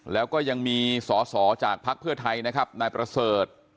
แล้วก็ยังมีสอสอจากภักดิ์เพื่อไทยนะครับนายประเสริฐ